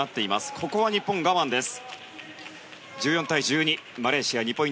ここは日本、我慢です。